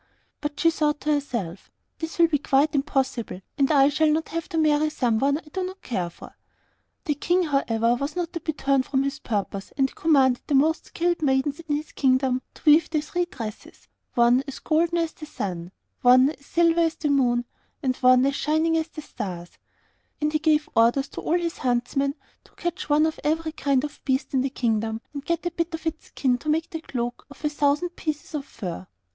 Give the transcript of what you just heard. But she thought to herself, 'This will be quite impossible, and I shall not have to marry someone I do not care for.' The King, however, was not to be turned from his purpose, and he commanded the most skilled maidens in his kingdom to weave the three dresses, one as golden as the sun, and one as silver as the moon, and one as shining as the stars; and he gave orders to all his huntsmen to catch one of every kind of beast in the kingdom, and to get a bit of its skin to make the cloak of a thousand pieces of fur.